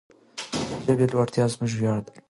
د ژبې لوړتیا زموږ ویاړ دی.